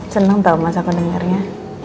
seneng tau masa aku dengarnya